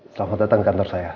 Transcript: selamat datang kantor saya